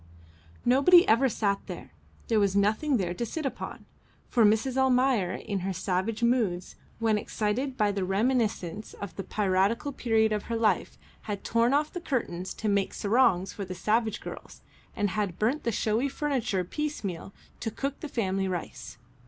Nobody ever sat there; there was nothing there to sit upon, for Mrs. Almayer in her savage moods, when excited by the reminiscences of the piratical period of her life, had torn off the curtains to make sarongs for the slave girls, and had burnt the showy furniture piecemeal to cook the family rice.